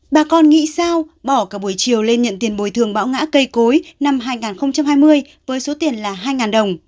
bà con nghĩ sao bỏ cả buổi chiều lên nhận tiền bồi thường bão ngã cây cối năm hai nghìn hai mươi với số tiền là hai đồng